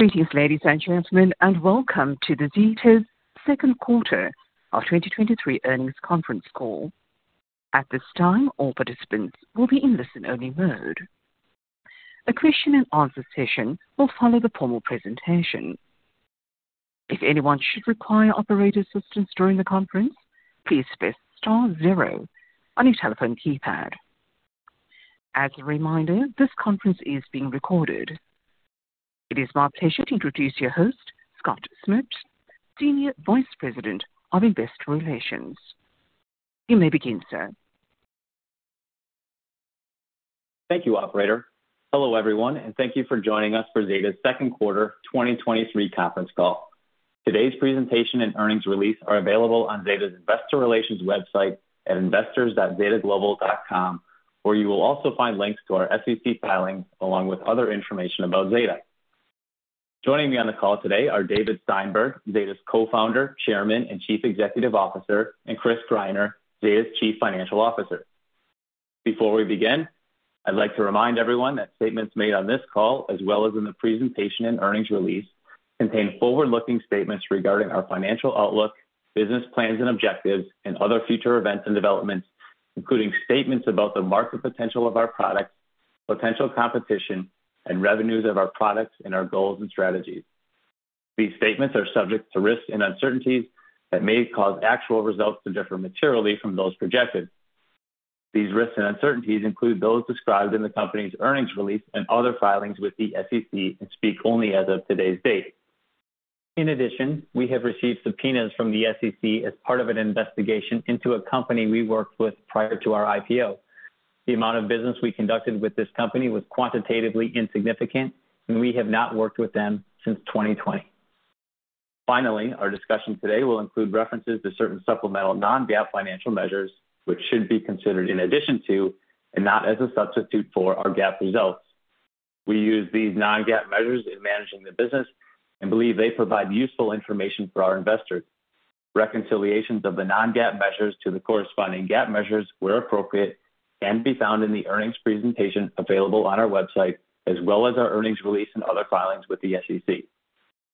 Greetings, ladies and gentlemen, and welcome to the Zeta's second quarter of 2023 earnings conference call. At this time, all participants will be in listen-only mode. A question and answer session will follow the formal presentation. If anyone should require operator assistance during the conference, please press star zero on your telephone keypad. As a reminder, this conference is being recorded. It is my pleasure to introduce your host, Scott Smoot, Senior Vice President of Investor Relations. You may begin, sir. Thank you, Operator. Hello, everyone, and thank you for joining us for Zeta's second quarter 2023 conference call. Today's presentation and earnings release are available on Zeta's Investor Relations website at investors.zetaglobal.com, where you will also find links to our SEC filings, along with other information about Zeta. Joining me on the call today are David Steinberg, Zeta's Co-Founder, Chairman, and Chief Executive Officer, and Chris Greiner, Zeta's Chief Financial Officer. Before we begin, I'd like to remind everyone that statements made on this call, as well as in the presentation and earnings release, contain forward-looking statements regarding our financial outlook, business plans and objectives, and other future events and developments, including statements about the market potential of our products, potential competition and revenues of our products, and our goals and strategies. These statements are subject to risks and uncertainties that may cause actual results to differ materially from those projected. These risks and uncertainties include those described in the company's earnings release and other filings with the SEC, and speak only as of today's date. In addition, we have received subpoenas from the SEC as part of an investigation into a company we worked with prior to our IPO. The amount of business we conducted with this company was quantitatively insignificant, and we have not worked with them since 2020. Finally, our discussion today will include references to certain supplemental non-GAAP financial measures, which should be considered in addition to, and not as a substitute for, our GAAP results. We use these non-GAAP measures in managing the business and believe they provide useful information for our investors. Reconciliations of the non-GAAP measures to the corresponding GAAP measures, where appropriate, can be found in the earnings presentation available on our website, as well as our earnings release and other filings with the SEC.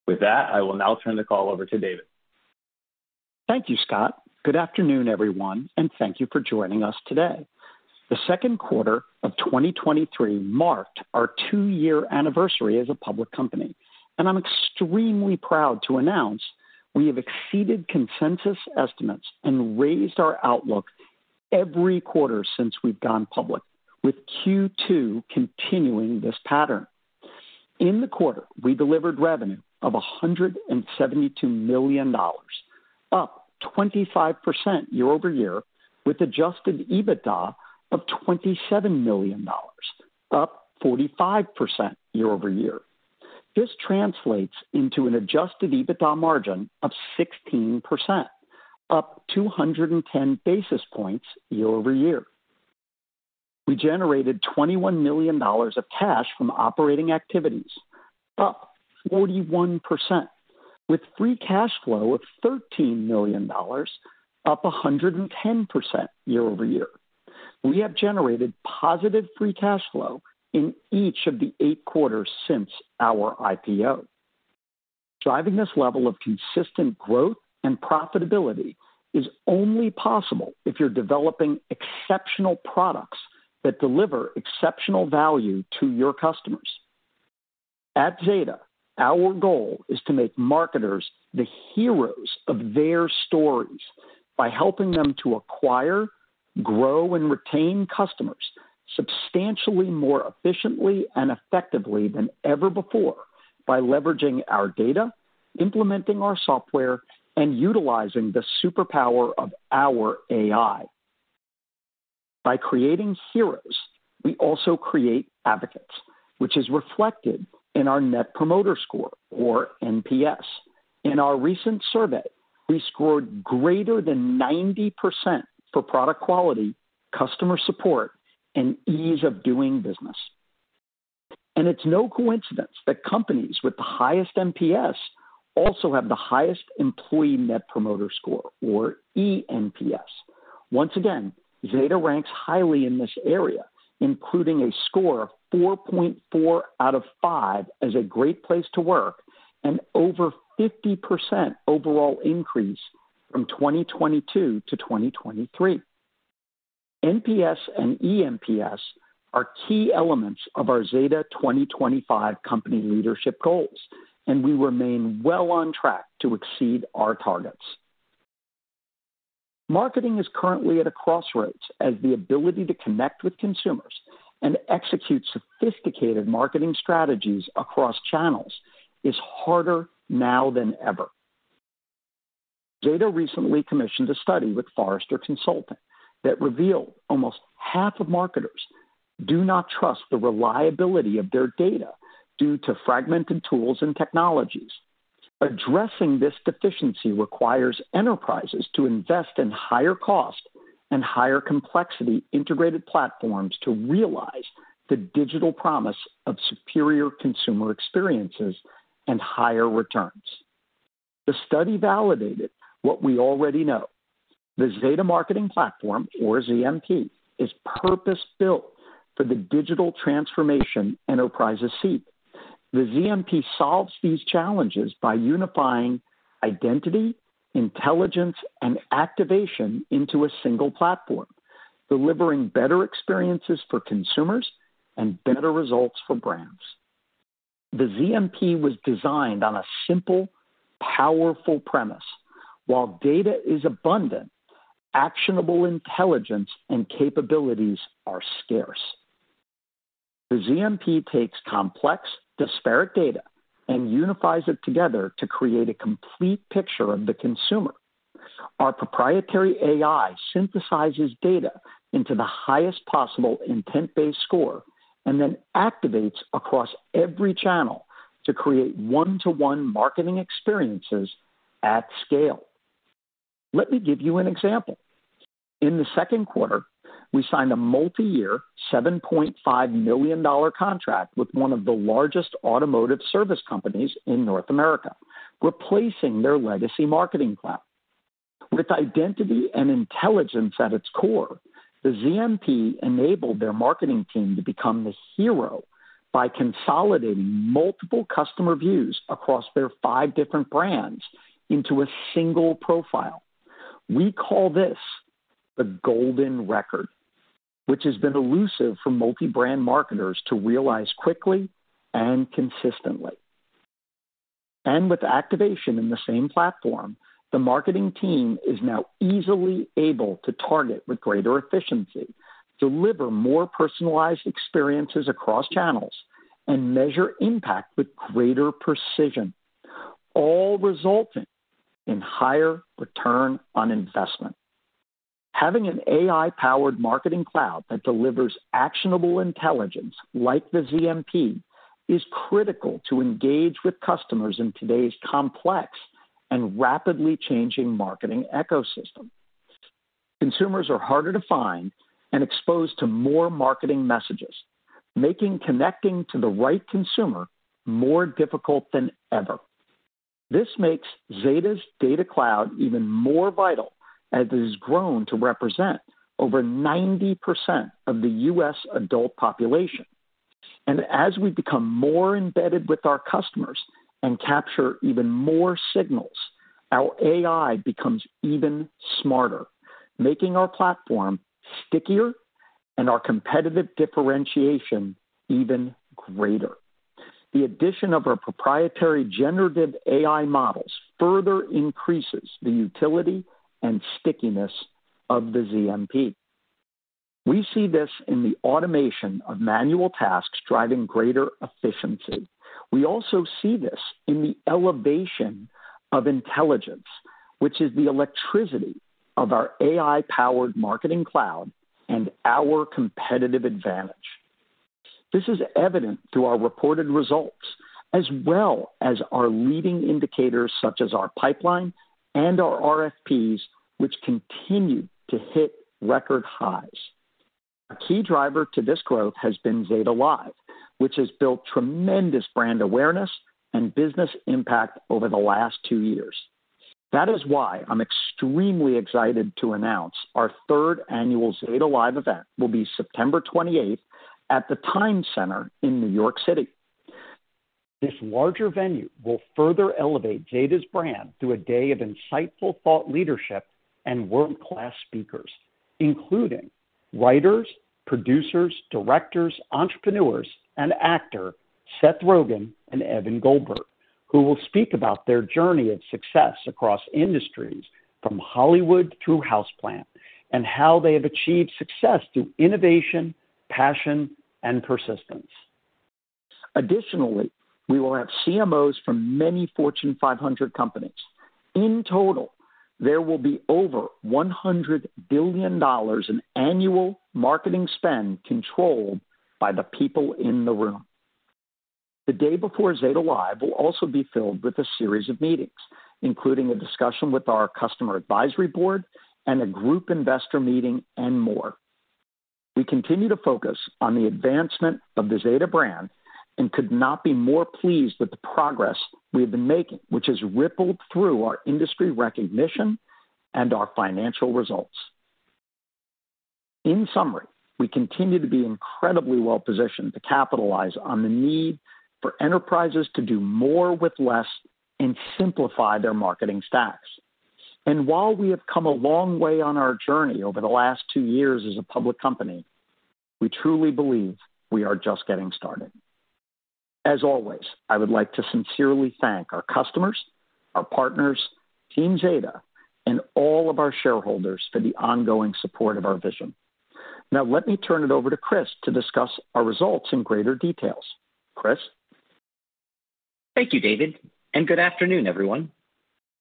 With that, I will now turn the call over to David. Thank you, Scott. Good afternoon, everyone, and thank you for joining us today. The second quarter of 2023 marked our 2-year anniversary as a public company, and I'm extremely proud to announce we have exceeded consensus estimates and raised our outlook every quarter since we've gone public, with Q2 continuing this pattern. In the quarter, we delivered revenue of $172 million, up 25% year-over-year, with Adjusted EBITDA of $27 million, up 45% year-over-year. This translates into an Adjusted EBITDA margin of 16%, up 210 basis points year-over-year. We generated $21 million of cash from operating activities, up 41%, with free cash flow of $13 million, up 110% year-over-year. We have generated positive free cash flow in each of the 8 quarters since our IPO. Driving this level of consistent growth and profitability is only possible if you're developing exceptional products that deliver exceptional value to your customers. At Zeta, our goal is to make marketers the heroes of their stories by helping them to acquire, grow, and retain customers substantially more efficiently and effectively than ever before, by leveraging our data, implementing our software, and utilizing the superpower of our AI. By creating heroes, we also create advocates, which is reflected in our Net Promoter Score, or NPS. In our recent survey, we scored greater than 90% for product quality, customer support, and ease of doing business. It's no coincidence that companies with the highest NPS also have the highest employee Net Promoter Score, or eNPS. Once again, Zeta ranks highly in this area, including a score of 4.4 out of 5 as a great place to work and over 50% overall increase from 2022 to 2023. NPS and eNPS are key elements of our Zeta 2025 company leadership goals, and we remain well on track to exceed our targets. Marketing is currently at a crossroads, as the ability to connect with consumers and execute sophisticated marketing strategies across channels is harder now than ever. Zeta recently commissioned a study with Forrester Consulting that revealed almost half of marketers do not trust the reliability of their data due to fragmented tools and technologies. Addressing this deficiency requires enterprises to invest in higher cost and higher complexity integrated platforms to realize the digital promise of superior consumer experiences and higher returns. The study validated what we already know. The Zeta Marketing Platform, or ZMP, is purpose-built for the digital transformation enterprises seek. The ZMP solves these challenges by unifying identity, intelligence, and activation into a single platform, delivering better experiences for consumers and better results for brands. The ZMP was designed on a simple, powerful premise: while data is abundant, actionable intelligence and capabilities are scarce. The ZMP takes complex, disparate data and unifies it together to create a complete picture of the consumer. Our proprietary AI synthesizes data into the highest possible intent-based score, and then activates across every channel to create one-to-one marketing experiences at scale. Let me give you an example. In the second quarter, we signed a multiyear, $7.5 million contract with one of the largest automotive service companies in North America, replacing their legacy marketing cloud. With identity and intelligence at its core, the ZMP enabled their marketing team to become the hero by consolidating multiple customer views across their five different brands into a single profile. We call this the golden record, which has been elusive for multi-brand marketers to realize quickly and consistently. With activation in the same platform, the marketing team is now easily able to target with greater efficiency, deliver more personalized experiences across channels, and measure impact with greater precision, all resulting in higher return on investment. Having an AI-powered marketing cloud that delivers actionable intelligence, like the ZMP, is critical to engage with customers in today's complex and rapidly changing marketing ecosystem. Consumers are harder to find and exposed to more marketing messages, making connecting to the right consumer more difficult than ever. This makes Zeta's data cloud even more vital as it has grown to represent over 90% of the U.S. adult population. As we become more embedded with our customers and capture even more signals, our AI becomes even smarter, making our platform stickier and our competitive differentiation even greater. The addition of our proprietary generative AI models further increases the utility and stickiness of the ZMP. We see this in the automation of manual tasks, driving greater efficiency. We also see this in the elevation of intelligence, which is the electricity of our AI-powered marketing cloud and our competitive advantage. This is evident through our reported results, as well as our leading indicators, such as our pipeline and our RFPs, which continue to hit record highs. A key driver to this growth has been Zeta Live, which has built tremendous brand awareness and business impact over the last two years. That is why I'm extremely excited to announce our third annual Zeta Live event will be September 28th at The Times Center in New York City. This larger venue will further elevate Zeta's brand through a day of insightful thought, leadership, and world-class speakers, including writers, producers, directors, entrepreneurs, and actor Seth Rogen and Evan Goldberg, who will speak about their journey of success across industries, from Hollywood to Houseplant, and how they have achieved success through innovation, passion, and persistence. Additionally, we will have CMOs from many Fortune 500 companies. In total, there will be over $100 billion in annual marketing spend controlled by the people in the room. The day before Zeta Live will also be filled with a series of meetings, including a discussion with our customer advisory board and a group investor meeting, and more. We continue to focus on the advancement of the Zeta brand and could not be more pleased with the progress we have been making, which has rippled through our industry recognition and our financial results. In summary, we continue to be incredibly well positioned to capitalize on the need for enterprises to do more with less and simplify their marketing stacks. While we have come a long way on our journey over the last two years as a public company, we truly believe we are just getting started. As always, I would like to sincerely thank our customers, our partners, Team Zeta, and all of our shareholders for the ongoing support of our vision. Now, let me turn it over to Chris to discuss our results in greater details. Chris? Thank you, David, and good afternoon, everyone.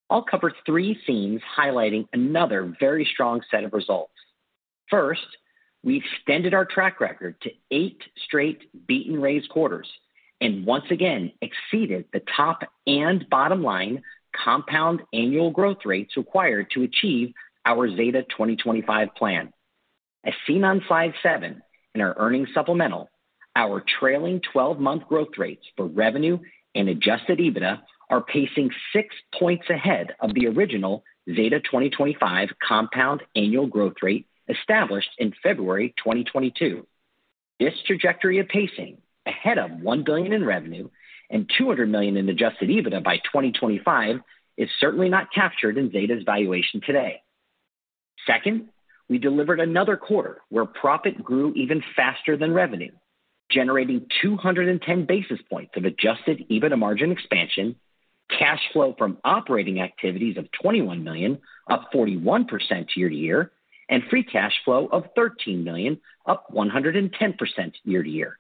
I'll cover 3 themes highlighting another very strong set of results. First, we extended our track record to 8 straight beat-and-raise quarters and once again exceeded the top and bottom line compound annual growth rates required to achieve our Zeta 2025 plan. As seen on slide 7 in our earnings supplemental, our trailing 12-month growth rates for revenue and Adjusted EBITDA are pacing 6 points ahead of the original Zeta 2025 compound annual growth rate established in February 2022. This trajectory of pacing ahead of $1 billion in revenue and $200 million in Adjusted EBITDA by 2025 is certainly not captured in Zeta's valuation today. Second, we delivered another quarter where profit grew even faster than revenue, generating 210 basis points of Adjusted EBITDA margin expansion, cash flow from operating activities of $21 million, up 41% year-to-year, and free cash flow of $13 million, up 110% year-to-year.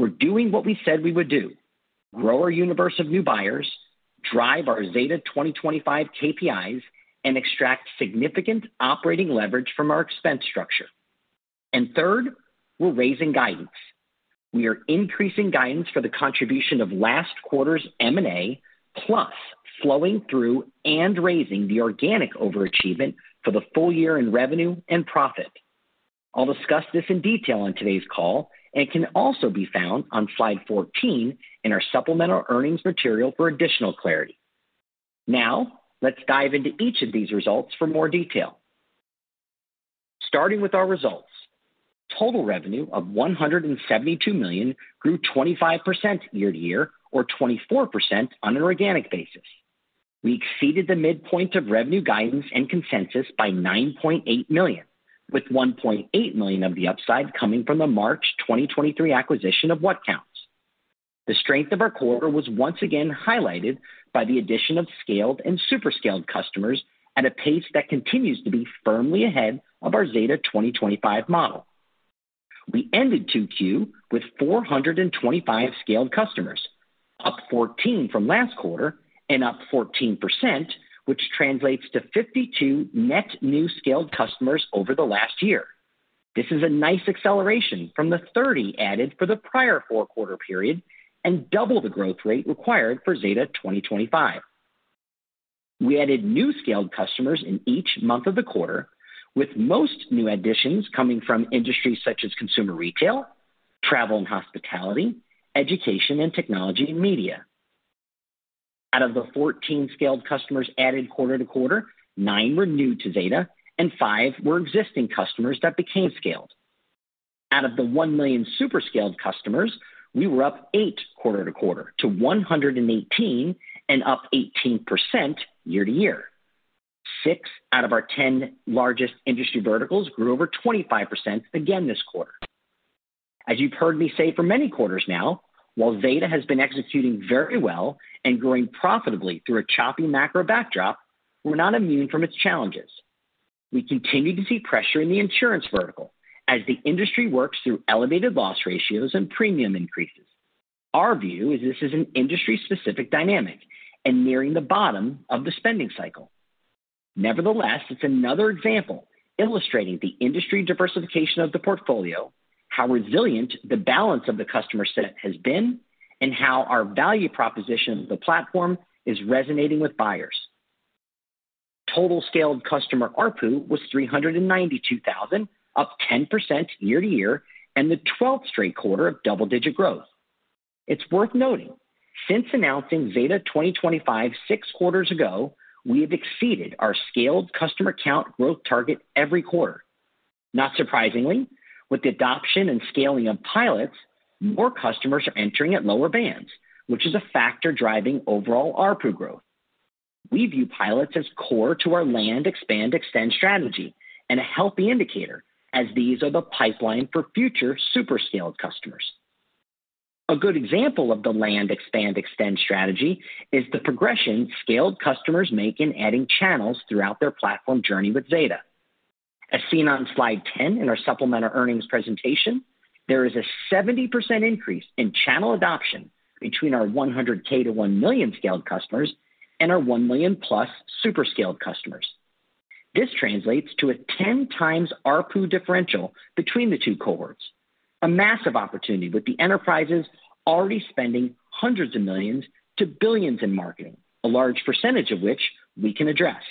We're doing what we said we would do, grow our universe of new buyers, drive our Zeta 2025 KPIs, and extract significant operating leverage from our expense structure. Third, we're raising guidance. We are increasing guidance for the contribution of last quarter's M&A, plus flowing through and raising the organic overachievement for the full year in revenue and profit. I'll discuss this in detail on today's call, and it can also be found on slide 14 in our supplemental earnings material for additional clarity. Now, let's dive into each of these results for more detail. Starting with our results. Total revenue of $172 million grew 25% year-to-year, or 24% on an organic basis. We exceeded the midpoint of revenue, guidance, and consensus by $9.8 million, with $1.8 million of the upside coming from the March 2023 acquisition of WhatCounts. The strength of our quarter was once again highlighted by the addition of scaled and super scaled customers at a pace that continues to be firmly ahead of our Zeta 2025 model. We ended 2Q with 425 scaled customers, up 14 from last quarter and up 14%, which translates to 52 net new scaled customers over the last year. This is a nice acceleration from the 30 added for the prior four-quarter period and double the growth rate required for Zeta 2025. We added new scaled customers in each month of the quarter, with most new additions coming from industries such as consumer retail, travel and hospitality, education, and technology and media. Out of the 14 scaled customers added quarter-to-quarter, 9 were new to Zeta and 5 were existing customers that became scaled. Out of the 1 million super scaled customers, we were up 8 quarter-to-quarter to 118 and up 18% year-to-year. 6 out of our 10 largest industry verticals grew over 25% again this quarter. As you've heard me say for many quarters now, while Zeta has been executing very well and growing profitably through a choppy macro backdrop, we're not immune from its challenges. We continue to see pressure in the insurance vertical as the industry works through elevated loss ratios and premium increases. Our view is this is an industry-specific dynamic and nearing the bottom of the spending cycle. Nevertheless, it's another example illustrating the industry diversification of the portfolio, how resilient the balance of the customer set has been, and how our value proposition of the platform is resonating with buyers. Total scaled customer ARPU was $392,000, up 10% year-to-year, and the 12th straight quarter of double-digit growth. It's worth noting, since announcing Zeta 2025 6 quarters ago, we have exceeded our scaled customer count growth target every quarter. Not surprisingly, with the adoption and scaling of pilots, more customers are entering at lower bands, which is a factor driving overall ARPU growth. We view pilots as core to our land, expand, extend strategy and a healthy indicator as these are the pipeline for future super scaled customers. A good example of the land, expand, extend strategy is the progression scaled customers make in adding channels throughout their platform journey with Zeta. As seen on slide 10 in our supplemental earnings presentation, there is a 70% increase in channel adoption between our 100K to 1 million scaled customers and our 1 million+ super scaled customers. This translates to a 10 times ARPU differential between the two cohorts, a massive opportunity with the enterprises already spending $hundreds of millions-$billions in marketing, a large percentage of which we can address.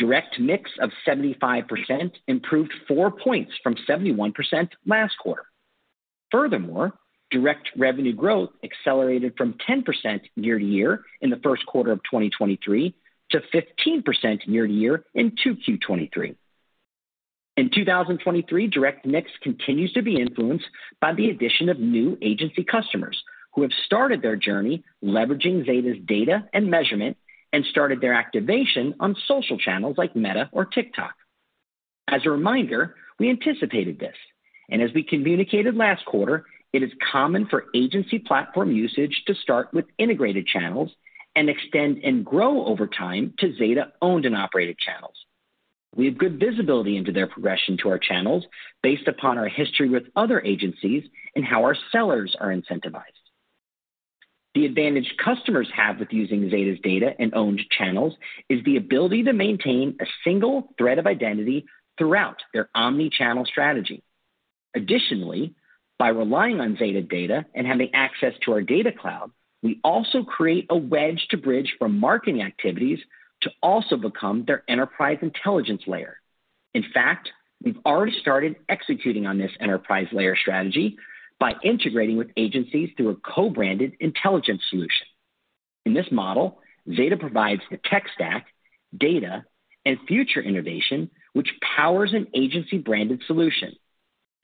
Direct mix of 75% improved 4 points from 71% last quarter. Furthermore, direct revenue growth accelerated from 10% year-to-year in the first quarter of 2023 to 15% year-to-year in 2Q 2023. In 2023, direct mix continues to be influenced by the addition of new agency customers who have started their journey leveraging Zeta's data and measurement and started their activation on social channels like Meta or TikTok. As a reminder, we anticipated this, and as we communicated last quarter, it is common for agency platform usage to start with integrated channels and extend and grow over time to Zeta owned and operated channels. We have good visibility into their progression to our channels based upon our history with other agencies and how our sellers are incentivized. The advantage customers have with using Zeta's data and owned channels is the ability to maintain a single thread of identity throughout their omni-channel strategy.... Additionally, by relying on Zeta data and having access to our data cloud, we also create a wedge to bridge from marketing activities to also become their enterprise intelligence layer. In fact, we've already started executing on this enterprise layer strategy by integrating with agencies through a co-branded intelligence solution. In this model, Zeta provides the tech stack, data, and future innovation, which powers an agency-branded solution.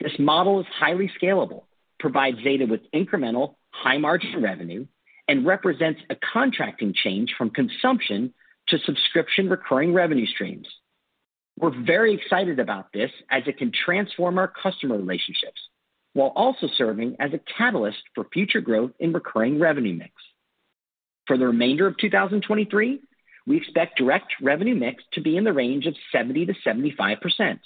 This model is highly scalable, provides Zeta with incremental, high margin revenue, and represents a contracting change from consumption to subscription recurring revenue streams. We're very excited about this as it can transform our customer relationships, while also serving as a catalyst for future growth in recurring revenue mix. For the remainder of 2023, we expect direct revenue mix to be in the range of 70%-75%,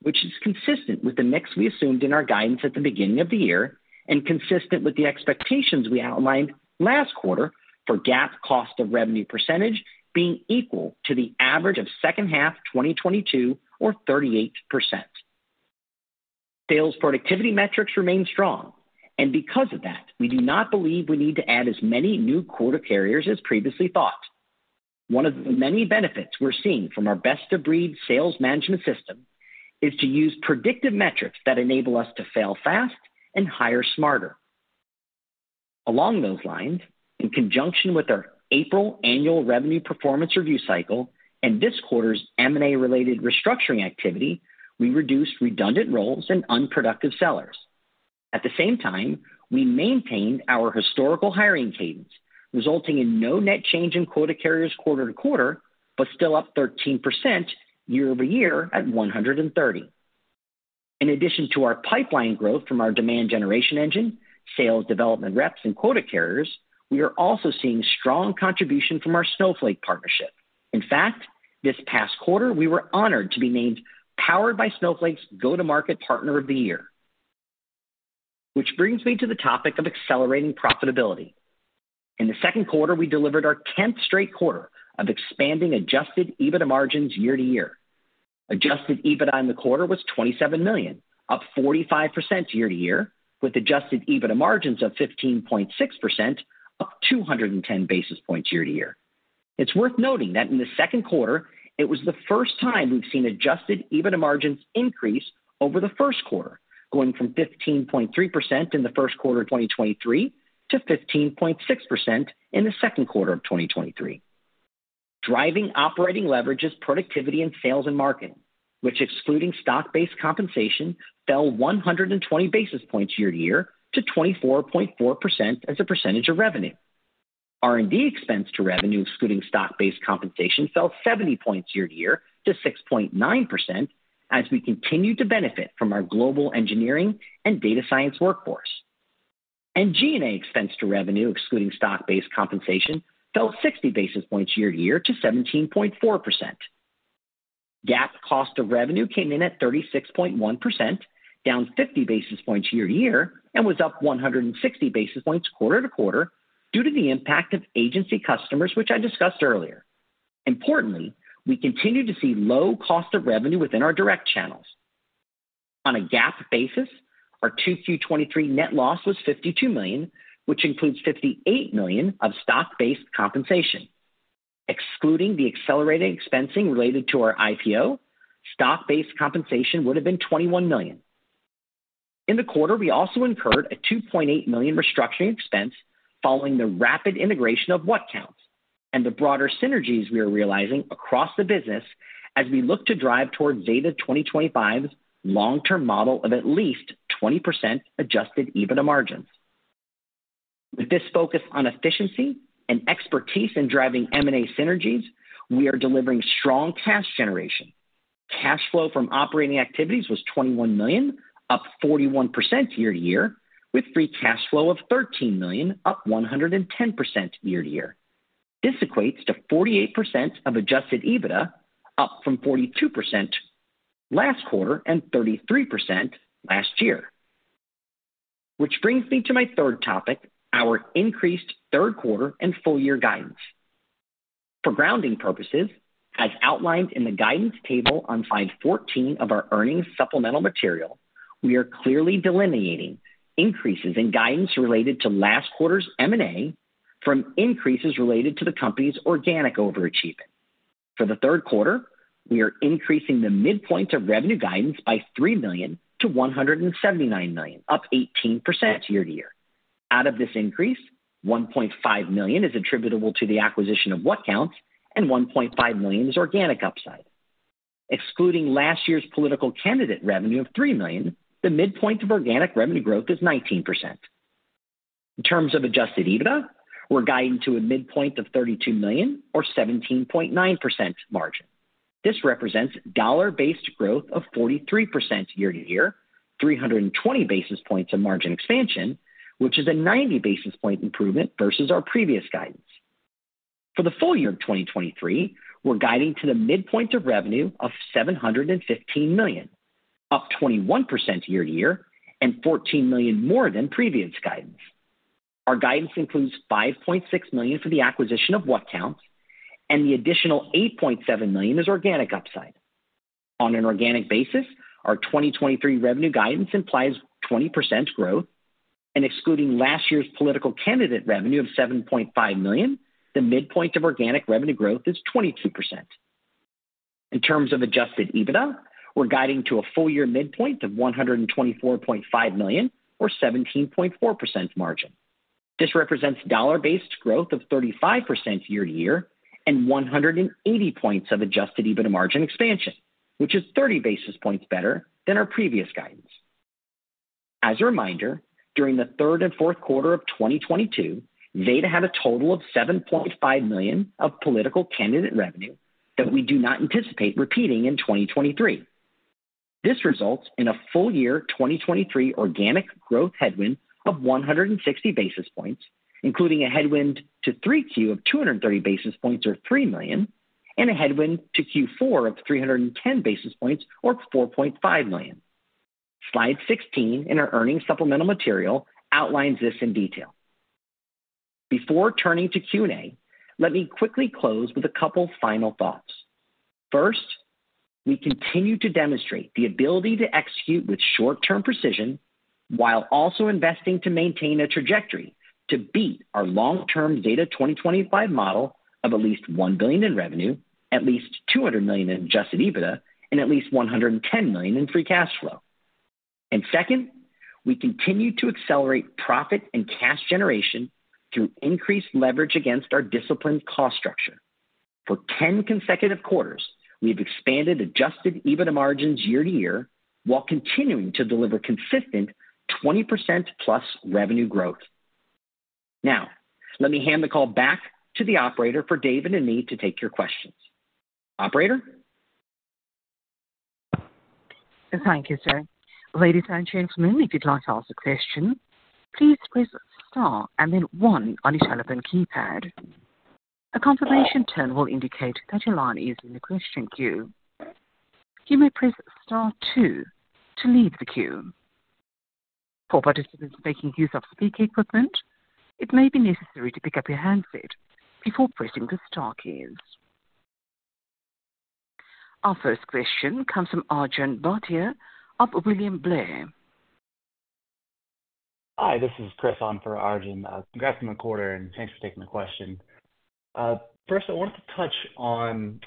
which is consistent with the mix we assumed in our guidance at the beginning of the year, and consistent with the expectations we outlined last quarter for GAAP cost of revenue % being equal to the average of second half 2022 or 38%. Sales productivity metrics remain strong, because of that, we do not believe we need to add as many new quota carriers as previously thought. One of the many benefits we're seeing from our best-of-breed sales management system is to use predictive metrics that enable us to fail fast and hire smarter. Along those lines, in conjunction with our April annual revenue performance review cycle and this quarter's M&A-related restructuring activity, we reduced redundant roles and unproductive sellers. At the same time, we maintained our historical hiring cadence, resulting in no net change in quota carriers quarter-to-quarter, but still up 13% year-over-year at 130. In addition to our pipeline growth from our demand generation engine, sales development reps, and quota carriers, we are also seeing strong contribution from our Snowflake partnership. In fact, this past quarter, we were honored to be named Powered by Snowflake's Go-to-Market Partner of the Year. Which brings me to the topic of accelerating profitability. In the second quarter, we delivered our 10th straight quarter of expanding Adjusted EBITDA margins year-to-year. Adjusted EBITDA in the quarter was $27 million, up 45% year-to-year, with Adjusted EBITDA margins of 15.6%, up 210 basis points year-to-year. It's worth noting that in the second quarter, it was the first time we've seen Adjusted EBITDA margins increase over the first quarter, going from 15.3% in the first quarter of 2023 to 15.6% in the second quarter of 2023. Driving operating leverage is productivity in sales and marketing, which excluding stock-based compensation, fell 120 basis points year-to-year, to 24.4% as a percentage of revenue. R&D expense to revenue, excluding stock-based compensation, fell 70 points year-to-year to 6.9% as we continued to benefit from our global engineering and data science workforce. G&A expense to revenue, excluding stock-based compensation, fell 60 basis points year-to-year to 17.4%. GAAP cost of revenue came in at 36.1%, down 50 basis points year-to-year, and was up 160 basis points quarter-to-quarter due to the impact of agency customers, which I discussed earlier. Importantly, we continued to see low cost of revenue within our direct channels. On a GAAP basis, our 2Q23 net loss was $52 million, which includes $58 million of stock-based compensation. Excluding the accelerated expensing related to our IPO, stock-based compensation would have been $21 million. In the quarter, we also incurred a $2.8 million restructuring expense following the rapid integration of WhatCounts and the broader synergies we are realizing across the business as we look to drive towards Zeta 2025's long-term model of at least 20% Adjusted EBITDA margins. With this focus on efficiency and expertise in driving M&A synergies, we are delivering strong cash generation. Cash flow from operating activities was $21 million, up 41% year-to-year, with free cash flow of $13 million, up 110% year-to-year. This equates to 48% of Adjusted EBITDA, up from 42% last quarter and 33% last year. This brings me to my third topic, our increased third quarter and full year guidance. For grounding purposes, as outlined in the guidance table on slide 14 of our earnings supplemental material, we are clearly delineating increases in guidance related to last quarter's M&A from increases related to the company's organic overachievement. For the third quarter, we are increasing the midpoint of revenue guidance by $3 million to $179 million, up 18% year-to-year. Out of this increase, $1.5 million is attributable to the acquisition of WhatCounts, and $1.5 million is organic upside. Excluding last year's political candidate revenue of $3 million, the midpoint of organic revenue growth is 19%. In terms of Adjusted EBITDA, we're guiding to a midpoint of $32 million or 17.9% margin. This represents dollar-based growth of 43% year-over-year, 320 basis points of margin expansion, which is a 90 basis point improvement versus our previous guidance. For the full year of 2023, we're guiding to the midpoint of revenue of $715 million, up 21% year-over-year and $14 million more than previous guidance....Our guidance includes $5.6 million for the acquisition of WhatCounts, and the additional $8.7 million is organic upside. On an organic basis, our 2023 revenue guidance implies 20% growth, and excluding last year's political candidate revenue of $7.5 million, the midpoint of organic revenue growth is 22%. In terms of Adjusted EBITDA, we're guiding to a full year midpoint of $124.5 million or 17.4% margin. This represents dollar-based growth of 35% year-to-year and 180 points of Adjusted EBITDA margin expansion, which is 30 basis points better than our previous guidance. As a reminder, during the third and fourth quarter of 2022, Zeta had a total of $7.5 million of political candidate revenue that we do not anticipate repeating in 2023. This results in a full year, 2023 organic growth headwind of 160 basis points, including a headwind to Q3 of 230 basis points or $3 million, and a headwind to Q4 of 310 basis points or $4.5 million. Slide 16 in our earnings supplemental material outlines this in detail. Before turning to Q&A, let me quickly close with a couple final thoughts. First, we continue to demonstrate the ability to execute with short-term precision while also investing to maintain a trajectory to beat our long-term data 2025 model of at least $1 billion in revenue, at least $200 million in Adjusted EBITDA, and at least $110 million in free cash flow. Second, we continue to accelerate profit and cash generation through increased leverage against our disciplined cost structure. For 10 consecutive quarters, we've expanded Adjusted EBITDA margins year-to-year, while continuing to deliver consistent 20% plus revenue growth. Now, let me hand the call back to the operator for David and me to take your questions. Operator? Thank you, sir. Ladies and gentlemen, if you'd like to ask a question, please press star and then one on your telephone keypad. A confirmation tone will indicate that your line is in the question queue. You may press star two to leave the queue. For participants making use of speaker equipment, it may be necessary to pick up your handset before pressing the star keys. Our first question comes from Arjun Bhatia of William Blair. Hi, this is Chris on for Arjun. Congrats on the quarter, and thanks for taking the question. First, I wanted to touch on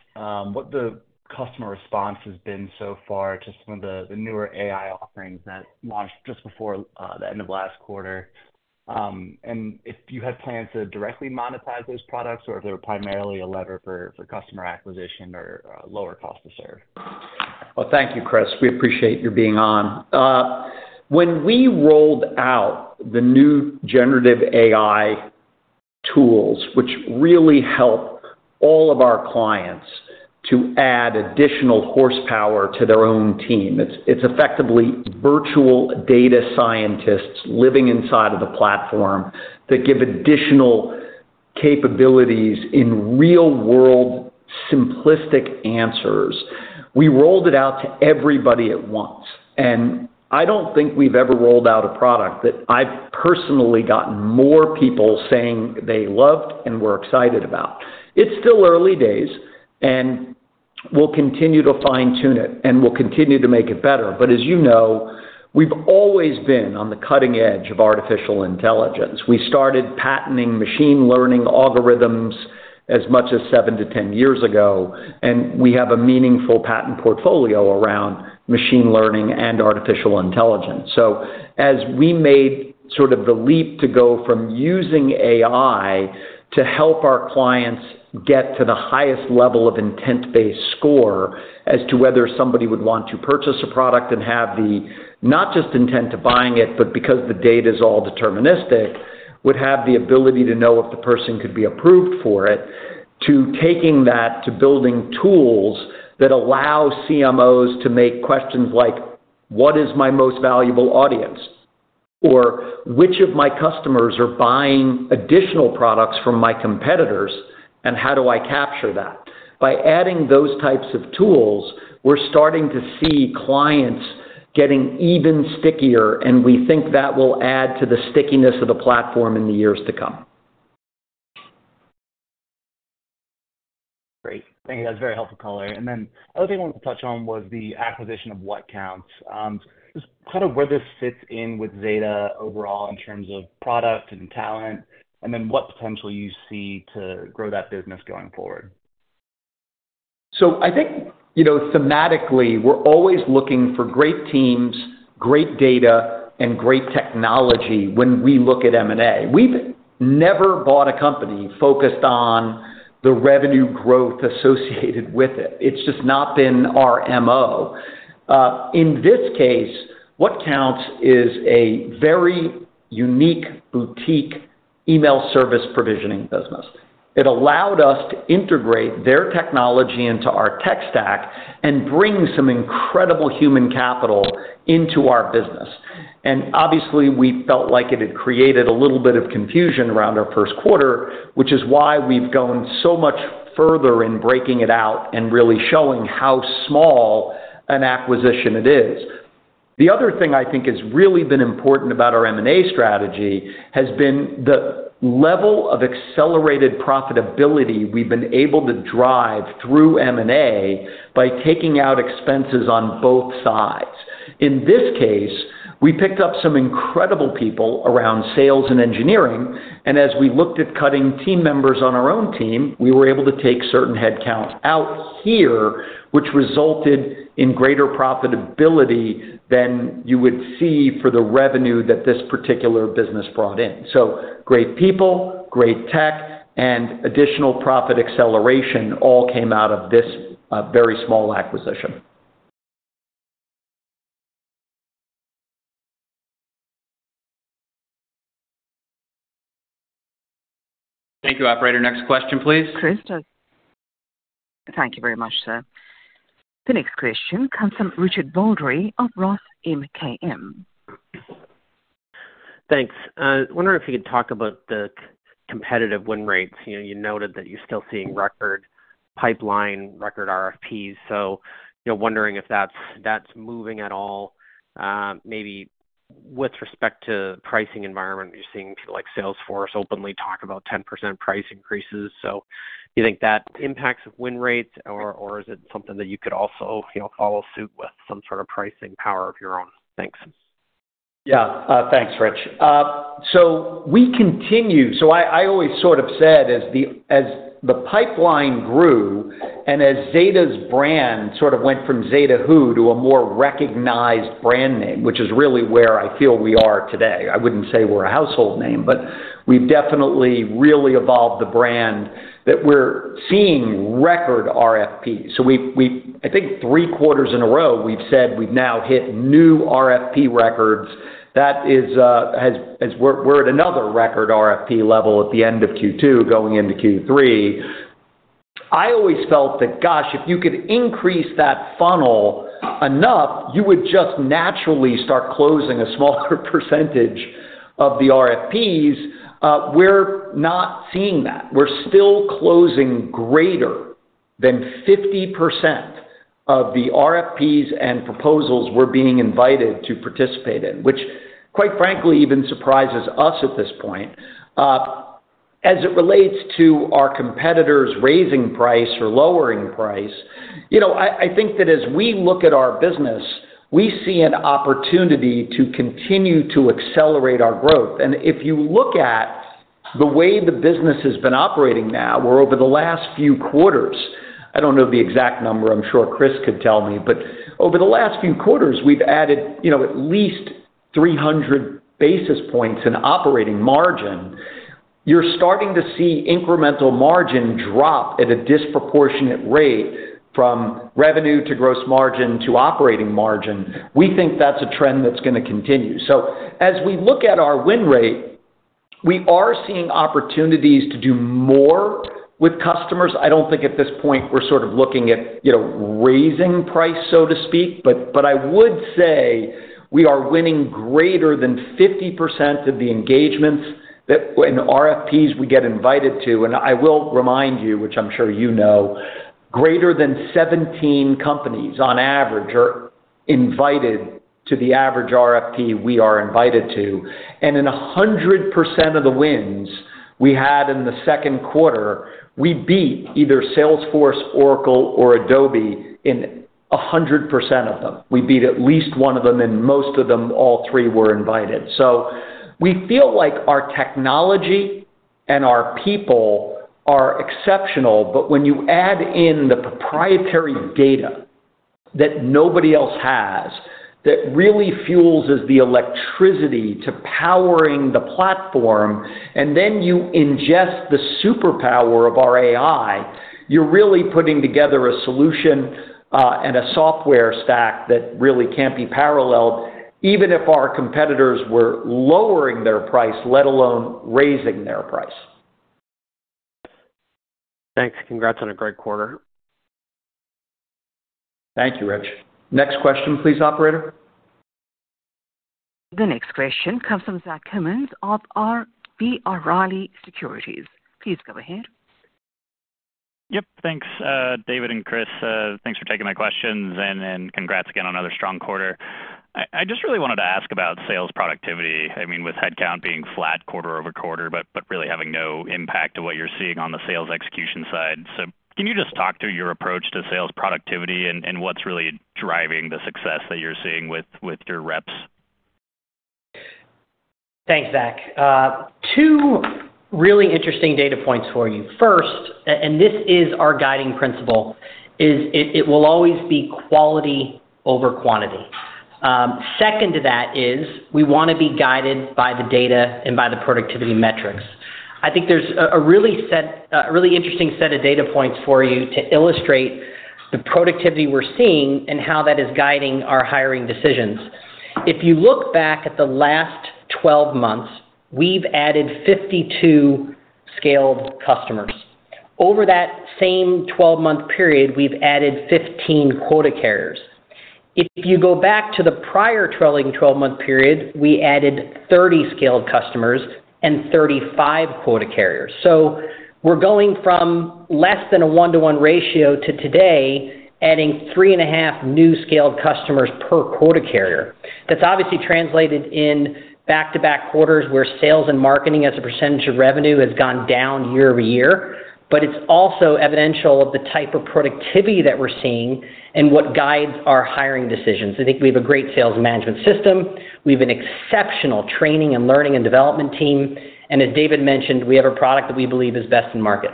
what the customer response has been so far to some of the, the newer AI offerings that launched just before the end of last quarter. If you had plans to directly monetize those products or if they were primarily a lever for, for customer acquisition or lower cost to serve? Well, thank you, Chris. We appreciate you being on. When we rolled out the new generative AI tools, which really help all of our clients to add additional horsepower to their own team, it's, it's effectively virtual data scientists living inside of the platform that give additional capabilities in real-world, simplistic answers. We rolled it out to everybody at once, I don't think we've ever rolled out a product that I've personally gotten more people saying they loved and were excited about. It's still early days, we'll continue to fine-tune it, and we'll continue to make it better. As you know, we've always been on the cutting edge of artificial intelligence. We started patenting machine learning algorithms as much as 7 to 10 years ago, we have a meaningful patent portfolio around machine learning and artificial intelligence. As we made sort of the leap to go from using AI to help our clients get to the highest level of intent-based score as to whether somebody would want to purchase a product and have the, not just intent to buying it, but because the data is all deterministic, would have the ability to know if the person could be approved for it, to taking that to building tools that allow CMOs to make questions like: What is my most valuable audience? Or which of my customers are buying additional products from my competitors, and how do I capture that? By adding those types of tools, we're starting to see clients getting even stickier, and we think that will add to the stickiness of the platform in the years to come. Great. Thank you. That's a very helpful color. The other thing I wanted to touch on was the acquisition of WhatCounts. Just kind of where this fits in with Zeta overall in terms of product and talent, and then what potential you see to grow that business going forward. I think, you know, thematically, we're always looking for great teams, great data, and great technology when we look at M&A. We've never bought a company focused on the revenue growth associated with it. It's just not been our MO. In this case, WhatCounts is a very unique boutique email service provisioning business. It allowed us to integrate their technology into our tech stack and bring some incredible human capital into our business. Obviously, we felt like it had created a little bit of confusion around our first quarter, which is why we've gone so much further in breaking it out and really showing how small an acquisition it is. The other thing I think has really been important about our M&A strategy, has been the level of accelerated profitability we've been able to drive through M&A by taking out expenses on both sides. In this case, we picked up some incredible people around sales and engineering, and as we looked at cutting team members on our own team, we were able to take certain headcounts out here, which resulted in greater profitability than you would see for the revenue that this particular business brought in. Great people, great tech, and additional profit acceleration all came out of this, very small acquisition. Thank you, Operator. Next question, please. Chris, thank you very much, sir. The next question comes from Richard Baldry of Roth MKM. Thanks. Wondering if you could talk about the competitive win rates. You know, you noted that you're still seeing record pipeline, record RFPs. You know, wondering if that's, that's moving at all, maybe with respect to pricing environment, you're seeing people like Salesforce openly talk about 10% price increases. Do you think that impacts win rates, or is it something that you could also, you know, follow suit with some sort of pricing power of your own? Thanks. Yeah. Thanks, Rich. We continue-- so I, I always sort of said, as the, as the pipeline grew and as Zeta's brand sort of went from Zeta who? To a more recognized brand name, which is really where I feel we are today. I wouldn't say we're a household name, but we've definitely really evolved the brand that we're seeing record RFPs. We've, we've-- I think three quarters in a row, we've said we've now hit new RFP records. That is, as, as we're at another record RFP level at the end of Q2 going into Q3. I always felt that, gosh, if you could increase that funnel enough, you would just naturally start closing a smaller percentage of the RFPs. We're not seeing that. We're still closing greater than 50% of the RFPs and proposals we're being invited to participate in, which, quite frankly, even surprises us at this point. As it relates to our competitors raising price or lowering price, you know, I, I think that as we look at our business, we see an opportunity to continue to accelerate our growth. If you look at the way the business has been operating now, where over the last few quarters, I don't know the exact number, I'm sure Chris could tell me, but over the last few quarters, we've added, you know, at least 300 basis points in operating margin. You're starting to see incremental margin drop at a disproportionate rate from revenue to gross margin to operating margin. We think that's a trend that's gonna continue. As we look at our win rate, we are seeing opportunities to do more with customers. I don't think at this point we're sort of looking at, you know, raising price, so to speak. But I would say we are winning greater than 50% of the engagements that when RFPs we get invited to, and I will remind you, which I'm sure you know, greater than 17 companies on average are invited to the average RFP we are invited to. In 100% of the wins we had in the second quarter, we beat either Salesforce, Oracle, or Adobe in 100% of them. We beat at least one of them, and most of them, all three were invited. We feel like our technology and our people are exceptional, but when you add in the proprietary data that nobody else has, that really fuels as the electricity to powering the platform, and then you ingest the superpower of our AI, you're really putting together a solution, and a software stack that really can't be paralleled, even if our competitors were lowering their price, let alone raising their price. Thanks. Congrats on a great quarter. Thank you, Rich. Next question, please, Operator. The next question comes from Zach Cummins of B Riley Securities. Please go ahead. Yep. Thanks, David and Chris, thanks for taking my questions. Congrats again on another strong quarter. I just really wanted to ask about sales productivity. I mean, with headcount being flat quarter-over-quarter, but really having no impact to what you're seeing on the sales execution side. Can you just talk through your approach to sales productivity and what's really driving the success that you're seeing with, with your reps? Thanks, Zach. Two really interesting data points for you. First, and this is our guiding principle, it will always be quality over quantity. Second to that is we want to be guided by the data and by the productivity metrics. I think there's a really interesting set of data points for you to illustrate the productivity we're seeing and how that is guiding our hiring decisions. If you look back at the last 12 months, we've added 52 scaled customers. Over that same 12-month period, we've added 15 quota carriers. If you go back to the prior trailing 12-month period, we added 30 scaled customers and 35 quota carriers. We're going from less than a 1-to-1 ratio to today, adding 3.5 new scaled customers per quota carrier.... That's obviously translated in back-to-back quarters, where sales and marketing as a % of revenue, has gone down year-over-year. It's also evidential of the type of productivity that we're seeing and what guides our hiring decisions. I think we have a great sales management system. We have an exceptional training and learning and development team, and as David mentioned, we have a product that we believe is best in market.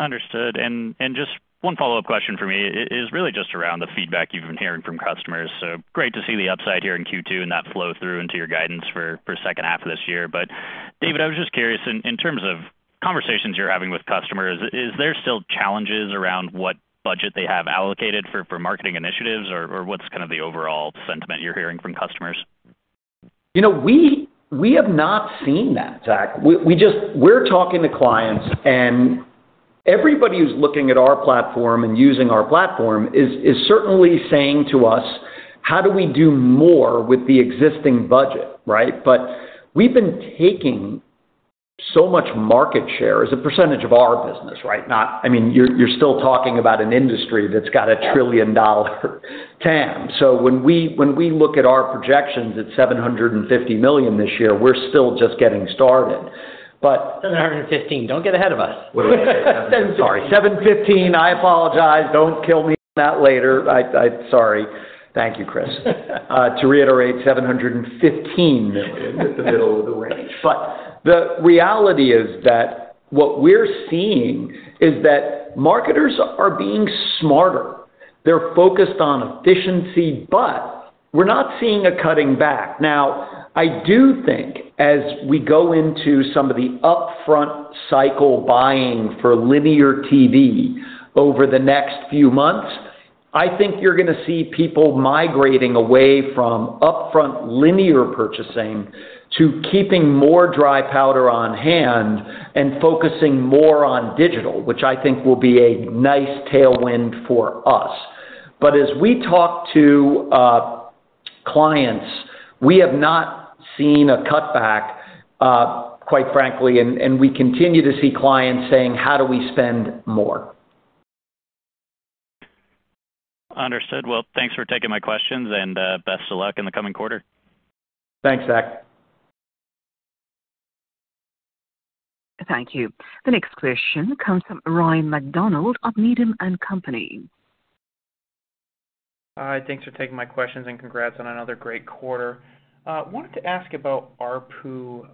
Understood. Just one follow-up question for me is really just around the feedback you've been hearing from customers. Great to see the upside here in Q2, and that flow through into your guidance for second half of this year. David, I was just curious, in terms of conversations you're having with customers, is there still challenges around what budget they have allocated for marketing initiatives? What's kind of the overall sentiment you're hearing from customers? You know, we, we have not seen that, Zach. We, we're talking to clients, and everybody who's looking at our platform and using our platform is, is certainly saying to us, "How do we do more with the existing budget," right? We've been taking so much market share as a percentage of our business, right? I mean, you're, you're still talking about an industry that's got a $1 trillion TAM. When we, when we look at our projections at $750 million this year, we're still just getting started. 715, don't get ahead of us. Sorry, $715, I apologize. Don't kill me on that later. sorry. Thank you, Chris. to reiterate, $715 million. At the middle of the range. The reality is that what we're seeing is that marketers are being smarter. They're focused on efficiency, but we're not seeing a cutting back. I do think as we go into some of the upfront cycle buying for linear TV over the next few months, I think you're gonna see people migrating away from upfront linear purchasing to keeping more dry powder on hand and focusing more on digital, which I think will be a nice tailwind for us. As we talk to clients, we have not seen a cutback, quite frankly, and we continue to see clients saying: How do we spend more? Understood. Well, thanks for taking my questions, best of luck in the coming quarter. Thanks, Zach. Thank you. The next question comes from Ryan MacDonald of Needham and Company. Hi, thanks for taking my questions, and congrats on another great quarter. wanted to ask about ARPU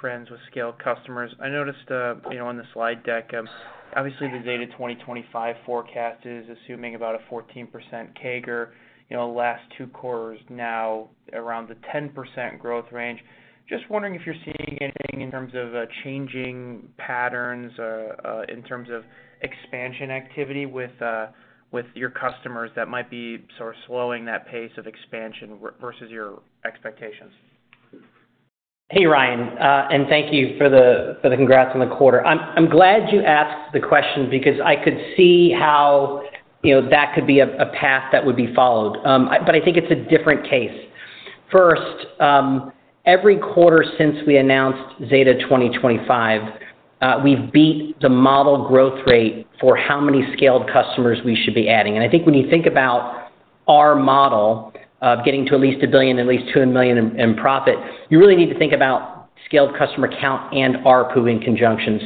trends with scale customers. I noticed, you know, on the slide deck, obviously, the Zeta 2025 forecast is assuming about a 14% CAGR, you know, last 2 quarters, now around the 10% growth range. Just wondering if you're seeing anything in terms of changing patterns in terms of expansion activity with your customers that might be sort of slowing that pace of expansion versus your expectations? Hey, Ryan, thank you for the, for the congrats on the quarter. I'm, I'm glad you asked the question because I could see how, you know, that could be a, a path that would be followed. I think it's a different case. First, every quarter since we announced Zeta 2025, we've beat the model growth rate for how many scaled customers we should be adding. I think when you think about our model of getting to at least $1 billion, at least $200 million in profit, you really need to think about scaled customer count and ARPU in conjunction.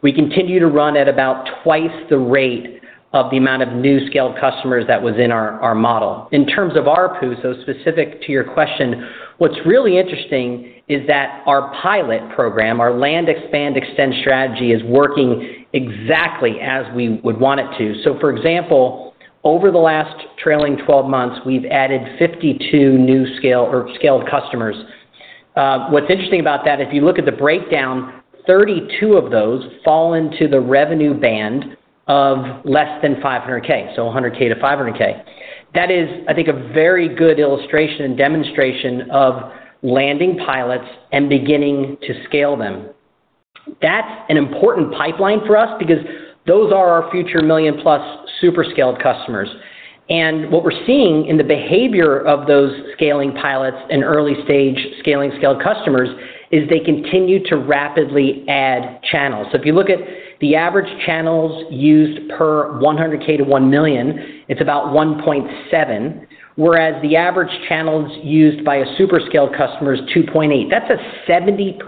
We continue to run at about 2x the rate of the amount of new scaled customers that was in our, our model. In terms of ARPU, specific to your question, what's really interesting is that our pilot program, our land expand extend strategy, is working exactly as we would want it to. For example, over the last trailing 12 months, we've added 52 new scale or scaled customers. What's interesting about that, if you look at the breakdown, 32 of those fall into the revenue band of less than $500K, $100K-$500K. That is, I think, a very good illustration and demonstration of landing pilots and beginning to scale them. That's an important pipeline for us because those are our future million-plus super scaled customers. What we're seeing in the behavior of those scaling pilots and early-stage scaling, scaled customers, is they continue to rapidly add channels. If you look at the average channels used per $100,000 to $1 million, it's about 1.7, whereas the average channels used by a super scaled customer is 2.8. That's a 70%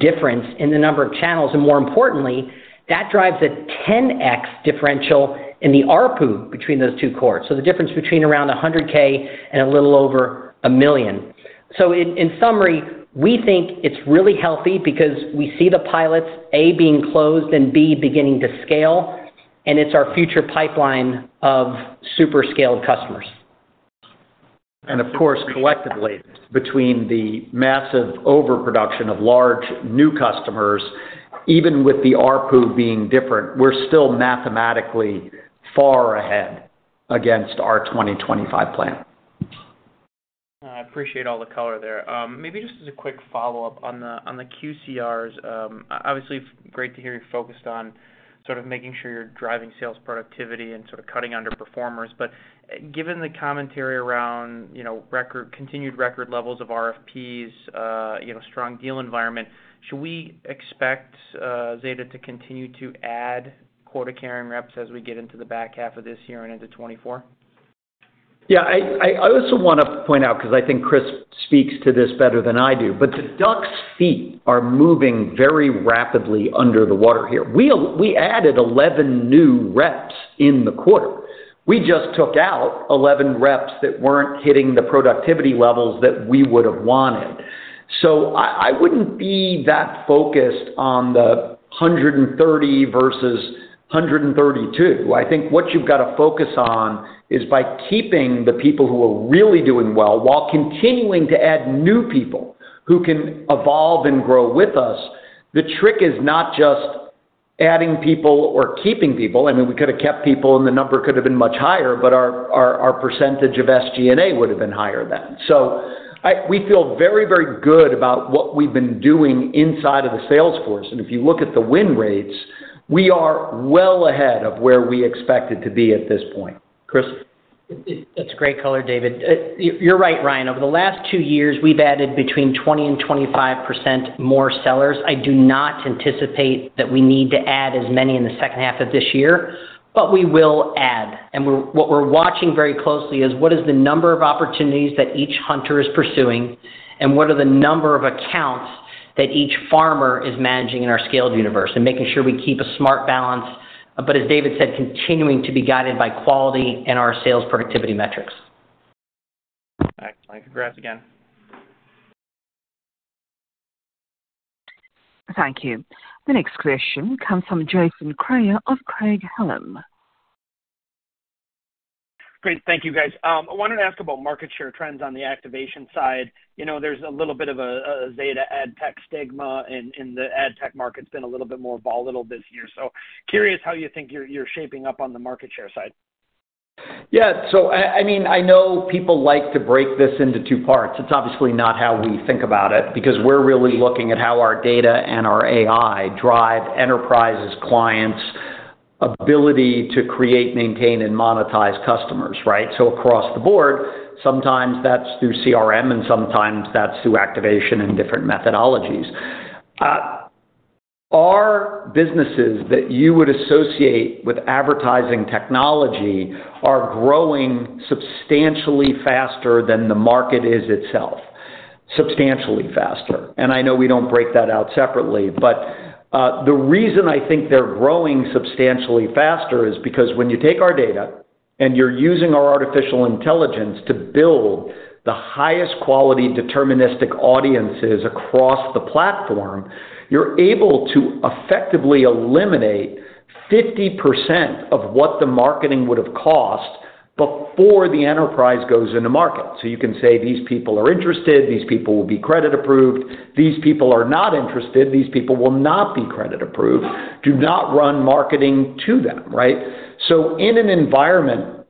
difference in the number of channels, and more importantly, that drives a 10x differential in the ARPU between those two cohorts. The difference between around $100,000 and a little over $1 million. In summary, we think it's really healthy because we see the pilots, A, being closed, and B, beginning to scale, and it's our future pipeline of super scaled customers. Of course, collectively, between the massive overproduction of large new customers, even with the ARPU being different, we're still mathematically far ahead against our 2025 plan. I appreciate all the color there. Maybe just as a quick follow-up on the, on the QCRs. Obviously, it's great to hear you're focused on sort of making sure you're driving sales productivity and sort of cutting underperformers. Given the commentary around, you know, record-- continued record levels of RFPs, you know, strong deal environment, should we expect, Zeta to continue to add quota carrying reps as we get into the back half of this year and into 2024? Yeah, I, I also want to point out, because I think Chris speaks to this better than I do, the duck's feet are moving very rapidly under the water here. We, we added 11 new reps in the quarter. We just took out 11 reps that weren't hitting the productivity levels that we would have wanted. I, I wouldn't be that focused on the 130 versus 132. I think what you've got to focus on is by keeping the people who are really doing well while continuing to add new people who can evolve and grow with us. The trick is not just adding people or keeping people. I mean, we could have kept people, and the number could have been much higher, but our, our, our percentage of SG&A would have been higher then. We feel very, very good about what we've been doing inside of the sales force. If you look at the win rates, we are well ahead of where we expected to be at this point. Chris? That's great color, David. You're, you're right, Ryan. Over the last 2 years, we've added between 20% and 25% more sellers. I do not anticipate that we need to add as many in the second half of this year, but we will add. What we're watching very closely is what is the number of opportunities that each hunter is pursuing, and what are the number of accounts that each farmer is managing in our scaled universe and making sure we keep a smart balance. As David said, continuing to be guided by quality and our sales productivity metrics. All right. Thank you. Congrats again. Thank you. The next question comes from Jason Kreyer of Craig-Hallum. Great. Thank you, guys. I wanted to ask about market share trends on the activation side. You know, there's a little bit of a Zeta ad tech stigma, the ad tech market's been a little bit more volatile this year. Curious how you think you're, you're shaping up on the market share side? Yeah. I, I mean, I know people like to break this into two parts. It's obviously not how we think about it, because we're really looking at how our data and our AI drive enterprises, clients' ability to create, maintain, and monetize customers, right? Across the board, sometimes that's through CRM, and sometimes that's through activation and different methodologies. Our businesses that you would associate with advertising technology are growing substantially faster than the market is itself, substantially faster. I know we don't break that out separately, but the reason I think they're growing substantially faster is because when you take our data and you're using our artificial intelligence to build the highest quality deterministic audiences across the platform, you're able to effectively eliminate 50% of what the marketing would have cost before the enterprise goes into market. You can say, these people are interested, these people will be credit approved, these people are not interested, these people will not be credit approved. Do not run marketing to them, right? In an environment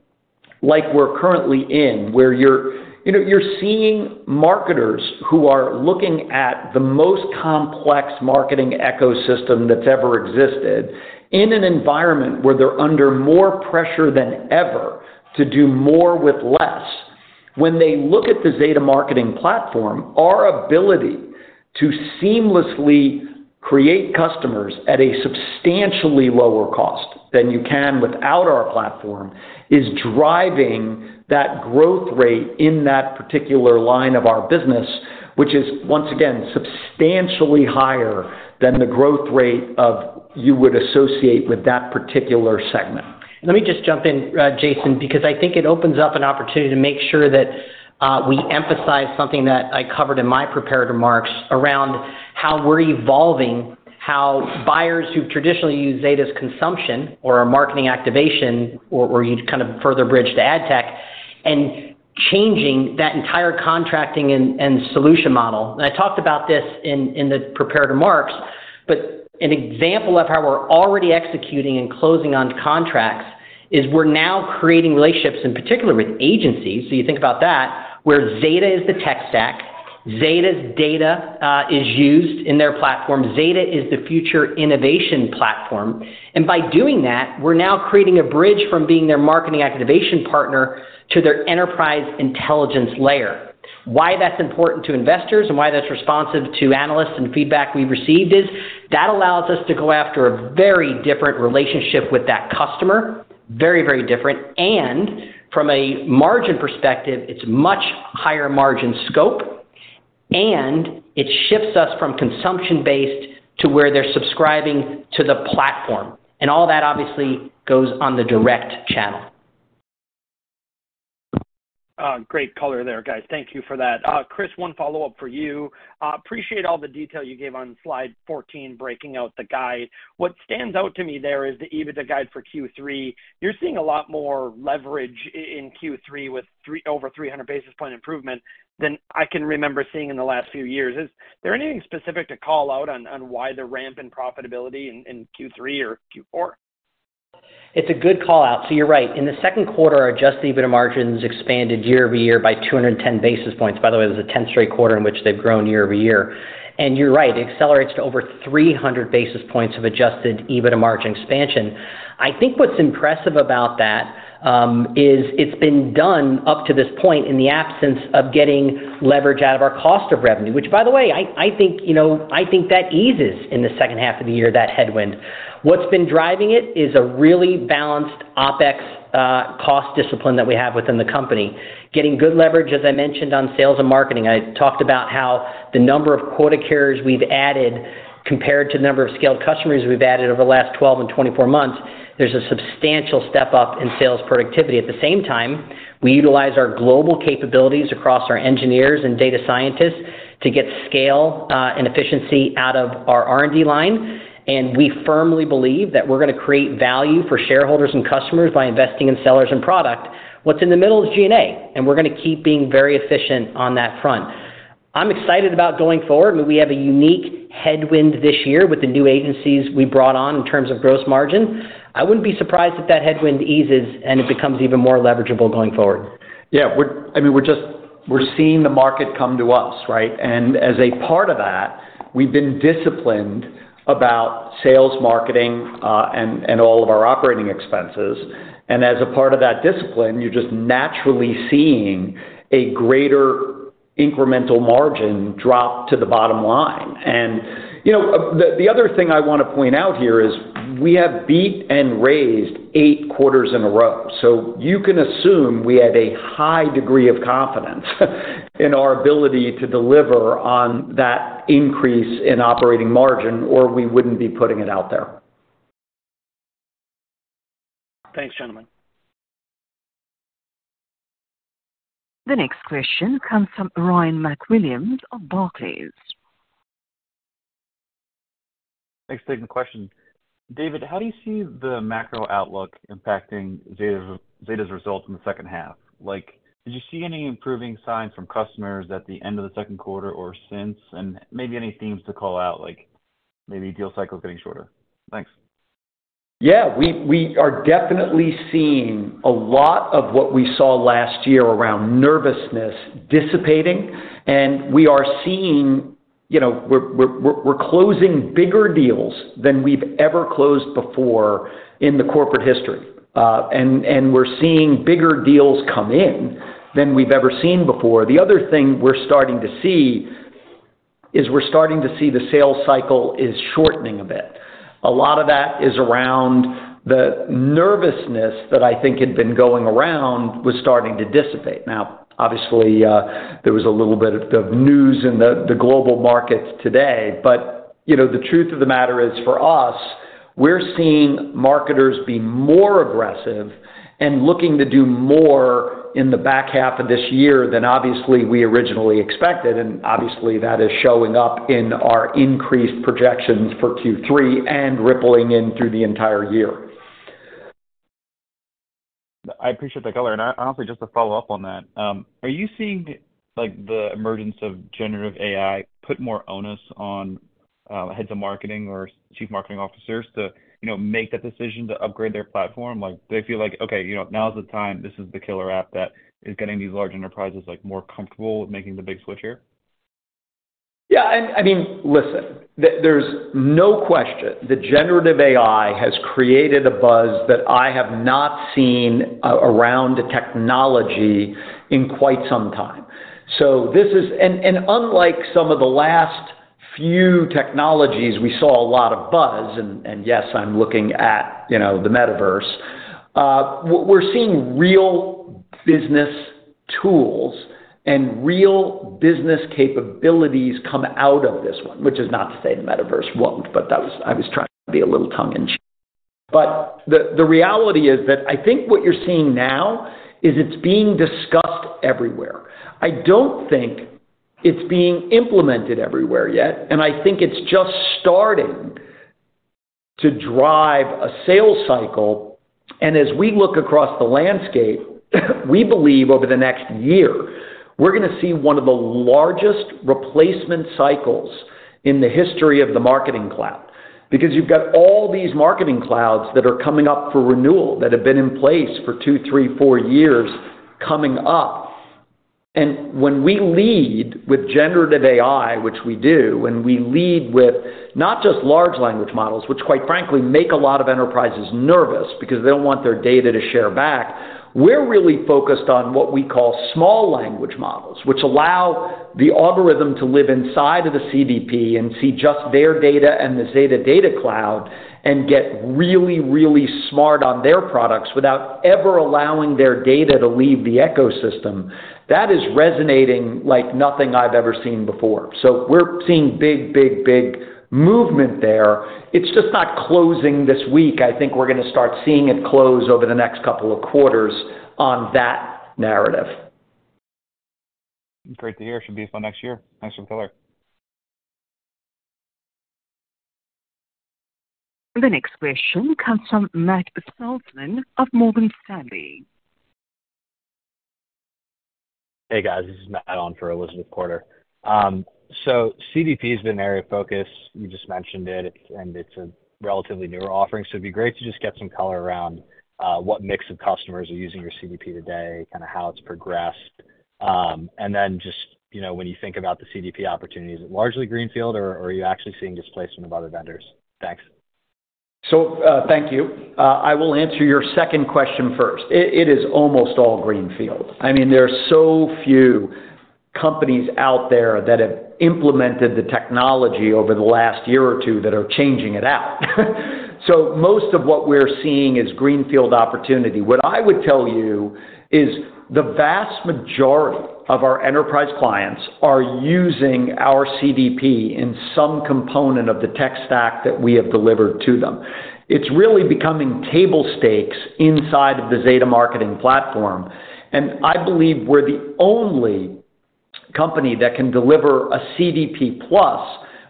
like we're currently in, where you're, you know, seeing marketers who are looking at the most complex marketing ecosystem that's ever existed, in an environment where they're under more pressure than ever to do more with less. When they look at the Zeta Marketing Platform, our ability to seamlessly create customers at a substantially lower cost than you can without our platform, is driving that growth rate in that particular line of our business, which is, once again, substantially higher than the growth rate of you would associate with that particular segment. Let me just jump in, Jason, because I think it opens up an opportunity to make sure that we emphasize something that I covered in my prepared remarks around how we're evolving, how buyers who traditionally use Zeta's consumption or our marketing activation, or, or you kind of further bridge to ad tech, and changing that entire contracting and, and solution model. I talked about this in, in the prepared remarks, but an example of how we're already executing and closing on contracts is we're now creating relationships, in particular with agencies. You think about that, where Zeta is the tech stack, Zeta's data is used in their platform. Zeta is the future innovation platform, and by doing that, we're now creating a bridge from being their marketing activation partner to their enterprise intelligence layer. Why that's important to investors and why that's responsive to analysts and feedback we've received is, that allows us to go after a very different relationship with that customer. Very, very different. From a margin perspective, it's much higher margin scope, and it shifts us from consumption-based to where they're subscribing to the platform. All that obviously goes on the direct channel. Great color there, guys. Thank you for that. Chris, one follow-up for you. Appreciate all the detail you gave on slide 14, breaking out the guide. What stands out to me there is the EBITDA guide for Q3. You're seeing a lot more leverage in Q3 with over 300 basis point improvement than I can remember seeing in the last few years. Is there anything specific to call out on why the ramp in profitability in Q3 or Q4? It's a good call out. You're right. In the second quarter, our Adjusted EBITDA margins expanded year-over-year by 210 basis points. By the way, it was the 10th straight quarter in which they've grown year-over-year. You're right, it accelerates to over 300 basis points of Adjusted EBITDA margin expansion. I think what's impressive about that is it's been done up to this point in the absence of getting leverage out of our cost of revenue, which, by the way, I think, you know, I think that eases in the second half of the year, that headwind. What's been driving it is a really balanced OpEx cost discipline that we have within the company. Getting good leverage, as I mentioned, on sales and marketing. I talked about how the number of quota carriers we've added-... compared to the number of scaled customers we've added over the last 12 and 24 months, there's a substantial step-up in sales productivity. At the same time, we utilize our global capabilities across our engineers and data scientists to get scale and efficiency out of our R&D line, and we firmly believe that we're gonna create value for shareholders and customers by investing in sellers and product. What's in the middle is G&A, and we're gonna keep being very efficient on that front. I'm excited about going forward, but we have a unique headwind this year with the new agencies we brought on in terms of gross margin. I wouldn't be surprised if that headwind eases, and it becomes even more leverageable going forward. Yeah, I mean, we're just seeing the market come to us, right? As a part of that, we've been disciplined about sales, marketing, and all of our operating expenses. As a part of that discipline, you're just naturally seeing a greater incremental margin drop to the bottom line. You know, the other thing I want to point out here is we have beat and raised eight quarters in a row, so you can assume we have a high degree of confidence in our ability to deliver on that increase in operating margin, or we wouldn't be putting it out there. Thanks, gentlemen. The next question comes from Ryan MacWilliams of Barclays. Thanks for taking the question. David, how do you see the macro outlook impacting Zeta's, Zeta's results in the second half? Like, did you see any improving signs from customers at the end of the second quarter or since? Maybe any themes to call out, like maybe deal cycle getting shorter. Thanks. Yeah, we, we are definitely seeing a lot of what we saw last year around nervousness dissipating, and we are seeing, you know, we're, we're, we're closing bigger deals than we've ever closed before in the corporate history. We're seeing bigger deals come in than we've ever seen before. The other thing we're starting to see is we're starting to see the sales cycle is shortening a bit. A lot of that is around the nervousness that I think had been going around, was starting to dissipate. Now, obviously, there was a little bit of news in the global markets today, but, you know, the truth of the matter is, for us, we're seeing marketers be more aggressive and looking to do more in the back half of this year than obviously we originally expected. Obviously, that is showing up in our increased projections for Q3 and rippling in through the entire year. I appreciate the color, and honestly, just to follow up on that, are you seeing, like, the emergence of generative AI put more onus on heads of marketing or chief marketing officers to, you know, make that decision to upgrade their platform? Like, do they feel like, "Okay, you know, now is the time," this is the killer app that is getting these large enterprises, like, more comfortable with making the big switch here? I mean, listen, there's no question that generative AI has created a buzz that I have not seen around technology in quite some time. This is and, and unlike some of the last few technologies, we saw a lot of buzz, and, and yes, I'm looking at, you know, the metaverse. What we're seeing real business tools and real business capabilities come out of this one, which is not to say the metaverse won't, but that was... I was trying to be a little tongue-in-cheek. The, the reality is that I think what you're seeing now is it's being discussed everywhere. I don't think it's being implemented everywhere yet, and I think it's just starting to drive a sales cycle, and as we look across the landscape, we believe over the next year, we're gonna see one of the largest replacement cycles in the history of the marketing cloud. Because you've got all these marketing clouds that are coming up for renewal, that have been in place for two, three, four years coming up. When we lead with generative AI, which we do, when we lead with not just large language models, which quite frankly, make a lot of enterprises nervous because they don't want their data to share back, we're really focused on what we call small language models, which allow the algorithm to live inside of the CDP and see just their data and the Zeta Data Cloud, and get really, really smart on their products without ever allowing their data to leave the ecosystem. That is resonating like nothing I've ever seen before. We're seeing big, big, big movement there. It's just not closing this week. I think we're gonna start seeing it close over the next couple of quarters on that narrative. Great to hear. Should be a fun next year. Thanks for the color. The next question comes from Matt Swanson of Morgan Stanley. Hey, guys, this is Matt on for Elizabeth Porter. CDP has been an area of focus. You just mentioned it, and it's a relatively newer offering, so it'd be great to just get some color around what mix of customers are using your CDP today, kinda how it's progressed. You know, when you think about the CDP opportunity, is it largely greenfield, or are you actually seeing displacement of other vendors? Thanks. Thank you. I will answer your second question first. It, it is almost all greenfield. I mean, there are so few companies out there that have implemented the technology over the last year or two that are changing it out. Most of what we're seeing is greenfield opportunity. What I would tell you is the vast majority of our enterprise clients are using our CDP in some component of the tech stack that we have delivered to them. It's really becoming table stakes inside of the Zeta marketing platform. I believe we're the only company that can deliver a CDP plus,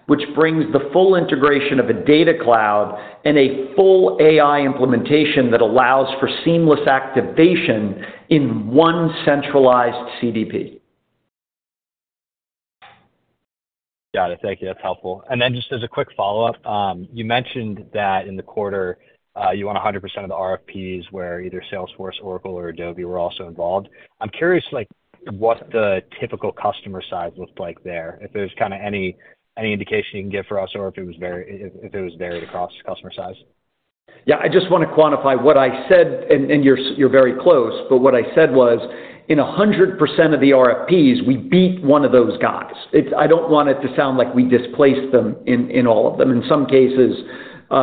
which brings the full integration of a data cloud and a full AI implementation that allows for seamless activation in one centralized CDP. Got it. Thank you. That's helpful. Then just as a quick follow-up, you mentioned that in the quarter, you won 100% of the RFPs, where either Salesforce, Oracle, or Adobe were also involved. I'm curious, like, what the typical customer size looked like there, if there's kinda any, any indication you can give for us, or if it was varied across customer size? Yeah, I just want to quantify what I said, and you're very close, but what I said was, in 100% of the RFPs, we beat one of those guys. I don't want it to sound like we displaced them in, in all of them. In some cases,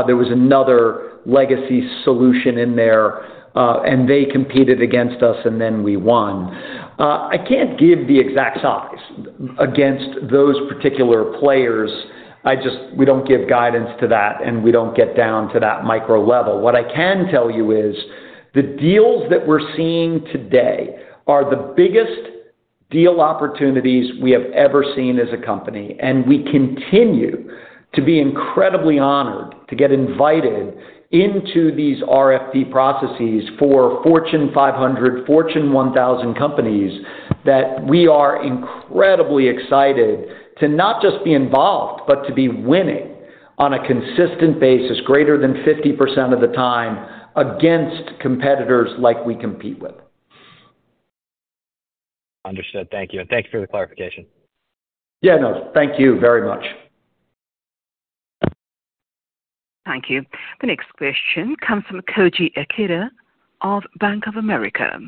there was another legacy solution in there, and they competed against us, and then we won. I can't give the exact size against those particular players. We don't give guidance to that, and we don't get down to that micro level. What I can tell you is, the deals that we're seeing today are the biggest deal opportunities we have ever seen as a company, and we continue to be incredibly honored to get invited into these RFP processes for Fortune 500, Fortune 1,000 companies, that we are incredibly excited to not just be involved, but to be winning on a consistent basis, greater than 50% of the time, against competitors like we compete with. Understood. Thank you. Thanks for the clarification. Yeah, no, thank you very much. Thank you. The next question comes from Koji Ikeda of Bank of America.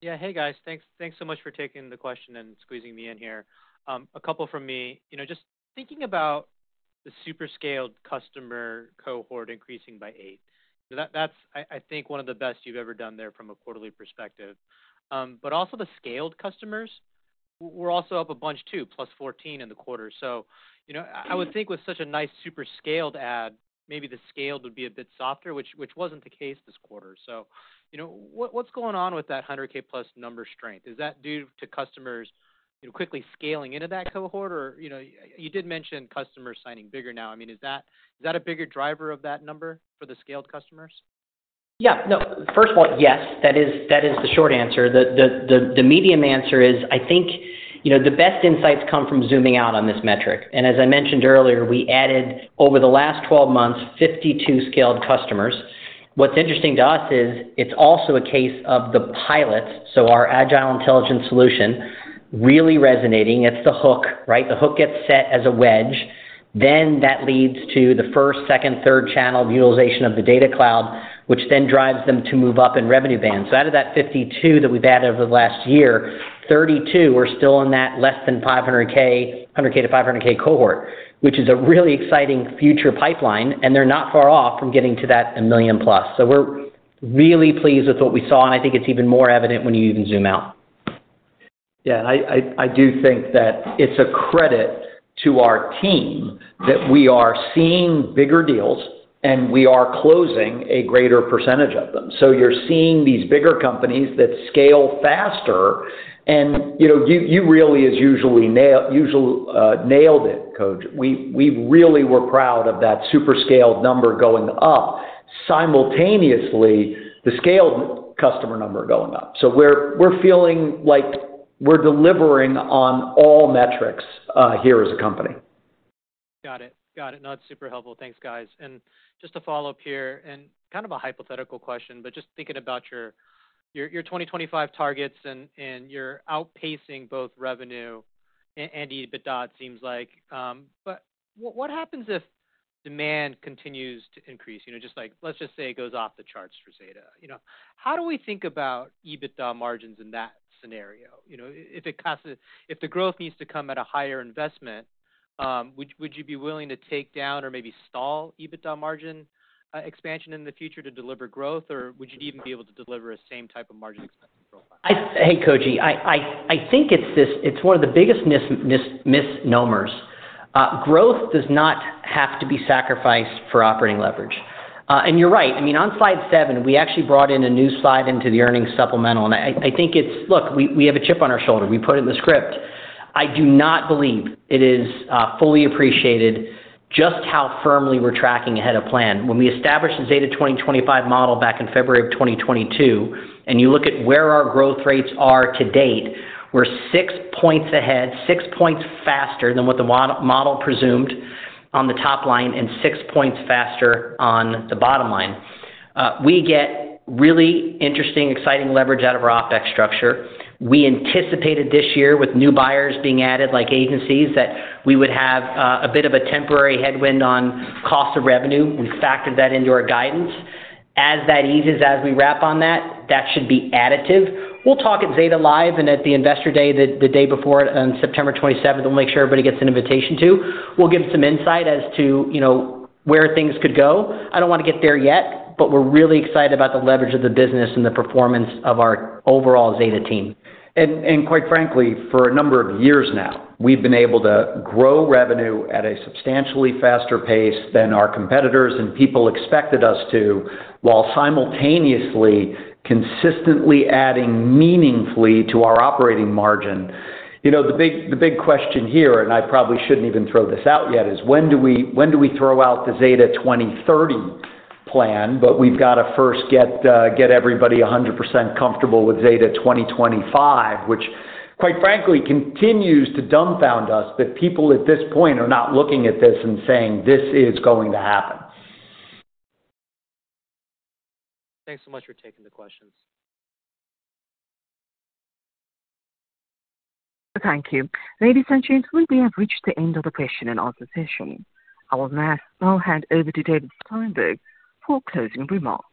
Yeah. Hey, guys, thanks, thanks so much for taking the question and squeezing me in here. A couple from me. You know, just thinking about the super scaled customer cohort increasing by 8, so that's, I think, one of the best you've ever done there from a quarterly perspective. Also the scaled customers were also up a bunch, too, plus 14 in the quarter. You know, I would think with such a nice super scaled ad, maybe the scaled would be a bit softer, which wasn't the case this quarter. You know, what's going on with that 100K+ number strength? Is that due to customers, you know, quickly scaling into that cohort? Or, you know, you did mention customers signing bigger now. I mean, is that a bigger driver of that number for the scaled customers? Yeah, no. First of all, yes, that is the short answer. The medium answer is, I think, you know, the best insights come from zooming out on this metric. As I mentioned earlier, we added over the last 12 months, 52 scaled customers. What's interesting to us is it's also a case of the pilot, so our agile intelligence solution, really resonating. It's the hook, right? The hook gets set as a wedge, then that leads to the first, second, third channel utilization of the data cloud, which then drives them to move up in revenue bands. Out of that 52 that we've had over the last year, 32 are still in that less than $500K, $100K-$500K cohort, which is a really exciting future pipeline, and they're not far off from getting to that $1 million+. We're really pleased with what we saw, and I think it's even more evident when you even zoom out. Yeah, I, I, I do think that it's a credit to our team that we are seeing bigger deals, and we are closing a greater percentage of them. You're seeing these bigger companies that scale faster, and, you know, you, you really nailed it, Koji. We, we really were proud of that super scaled number going up, simultaneously, the scaled customer number going up. We're, we're feeling like we're delivering on all metrics here as a company. Got it. Got it. No, it's super helpful. Thanks, guys. Just to follow up here, and kind of a hypothetical question, but just thinking about your, your, your 2025 targets and, and you're outpacing both revenue and, and EBITDA, it seems like, but what, what happens if demand continues to increase? You know, just like, let's just say, it goes off the charts for Zeta. You know, how do we think about EBITDA margins in that scenario? You know, if it costs-- if the growth needs to come at a higher investment, would, would you be willing to take down or maybe stall EBITDA margin expansion in the future to deliver growth, or would you even be able to deliver a same type of margin expansion profile? Hey, Koji. I think it's one of the biggest misnomers. Growth does not have to be sacrificed for operating leverage. And you're right. I mean, on slide seven, we actually brought in a new slide into the earnings supplemental, and I, I think it's... Look, we have a chip on our shoulder. We put it in the script. I do not believe it is fully appreciated just how firmly we're tracking ahead of plan. When we established the Zeta 2025 model back in February of 2022, and you look at where our growth rates are to date, we're six points ahead, six points faster than what the model presumed on the top line and six points faster on the bottom line. We get really interesting, exciting leverage out of our OpEx structure. We anticipated this year, with new buyers being added, like agencies, that we would have a bit of a temporary headwind on cost of revenue. We factored that into our guidance. As that eases, as we wrap on that, that should be additive. We'll talk at Zeta Live and at the Investor Day, the, the day before, on September 27th, we'll make sure everybody gets an invitation, too. We'll give some insight as to, you know where things could go. I don't want to get there yet, but we're really excited about the leverage of the business and the performance of our overall Zeta team. Quite frankly, for a number of years now, we've been able to grow revenue at a substantially faster pace than our competitors and people expected us to, while simultaneously, consistently adding meaningfully to our operating margin. You know, the big, the big question here, and I probably shouldn't even throw this out yet, is when do we, when do we throw out the Zeta 2030 plan? We've got to first get everybody 100% comfortable with Zeta 2025, which, quite frankly, continues to dumbfound us, that people at this point are not looking at this and saying, "This is going to happen. Thanks so much for taking the questions. Thank you. Ladies and gentlemen, we have reached the end of the question and answer session. I will now hand over to David Steinberg for closing remarks.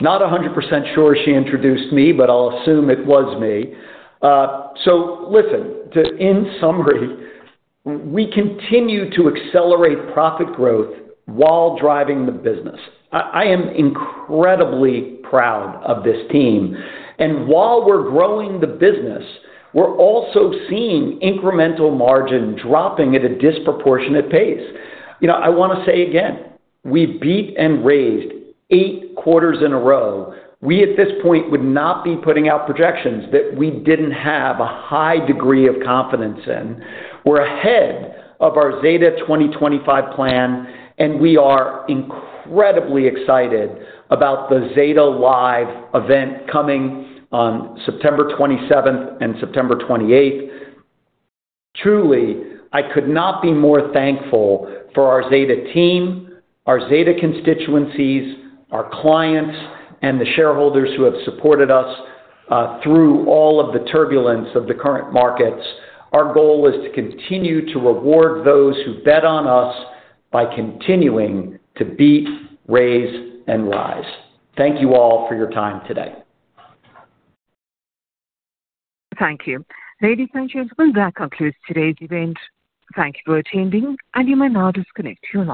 Not a 100% sure she introduced me, but I'll assume it was me. Listen, in summary, we continue to accelerate profit growth while driving the business. I am incredibly proud of this team, and while we're growing the business, we're also seeing incremental margin dropping at a disproportionate pace. You know, I wanna say again, we beat and raised 8 quarters in a row. We, at this point, would not be putting out projections that we didn't have a high degree of confidence in. We're ahead of our Zeta 2025 plan, and we are incredibly excited about the Zeta Live event coming on September 27th and September 28th. Truly, I could not be more thankful for our Zeta team, our Zeta constituencies, our clients, and the shareholders who have supported us through all of the turbulence of the current markets. Our goal is to continue to reward those who bet on us by continuing to beat, raise, and rise. Thank you all for your time today. Thank you. Ladies and gentlemen, that concludes today's event. Thank you for attending, and you may now disconnect your lines.